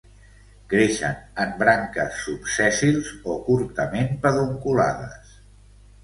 Creixen en branques subsèssils o curtament pedunculades.